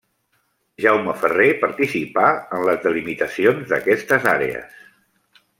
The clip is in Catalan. Jaume Ferrer participà en les delimitacions d'aquestes àrees.